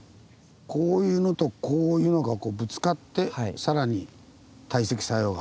こういうのとこういうのがぶつかって更に堆積作用が。